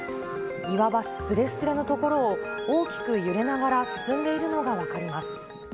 岩場すれすれの所を大きく揺れながら進んでいるのが分かります。